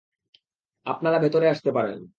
আপনারা ভেতরে আসতে পারেন।